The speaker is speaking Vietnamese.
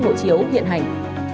hộ chiếu hiện hành